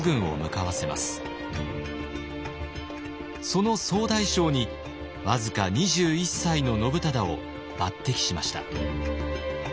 その総大将に僅か２１歳の信忠を抜擢しました。